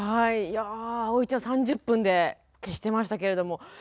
いやあおいちゃん３０分で消してましたけれども。